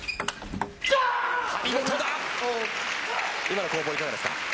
今の攻防いかがですか。